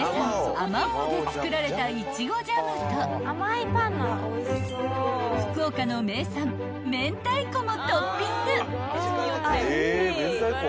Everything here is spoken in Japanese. あまおうで作られたいちごジャムと福岡の名産めんたいこもトッピング］